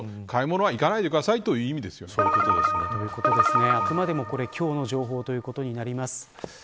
ほとんど買い物は行かないでくださいというあくまでも今日の情報ということになります。